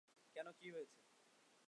কেন, কী হয়েছে?